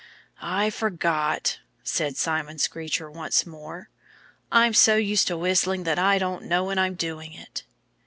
"I forgot," said Simon Screecher once more. "I'm so used to whistling that I don't know when I'm doing it."